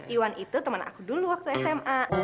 iwan itu temen aku dulu waktu sma